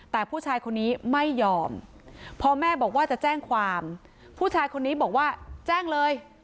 แต่ผู้ชายคนนี้ไม่ยอมพอแม่บอกว่าจะแจ้งความผู้ชายคนนี้บอกว่าแจ้งเลย